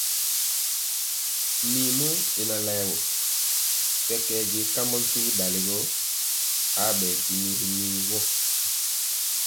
Mirmɔ y na laɛ wɔ, kɛkɛɛ je kambɔ tyugi dali gɔ abɛɛ dimi ri woo.